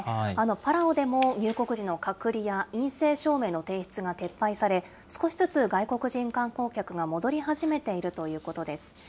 パラオでも入国時の隔離や陰性証明の提出が撤廃され、少しずつ外国人観光客が戻り始めているということです。